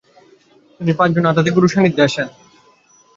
তিনি পাচঁজন আধ্যাত্মিক গুরুর সান্নিধ্যে আসেন।